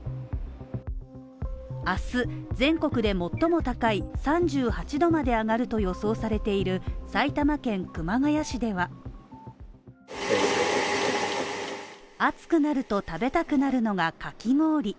明日、全国で最も高い３８度まで上がると予想されている埼玉県熊谷市では暑くなると食べたくなるのが、かき氷。